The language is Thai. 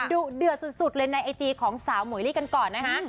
ดุเดือดสุดเลยในไอจีของสาวหุยลี่กันก่อนนะคะ